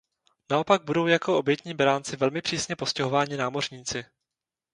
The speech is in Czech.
Naopak budou jako obětní beránci velmi přísně postihováni námořníci.